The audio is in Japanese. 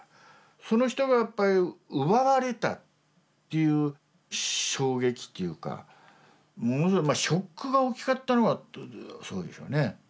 その人がやっぱり奪われたっていう衝撃っていうかものすごいショックが大きかったのが。